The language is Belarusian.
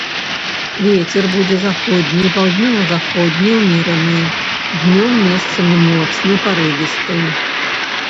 Вецер будзе заходні, паўднёва-заходні ўмераны, днём месцамі моцны парывісты.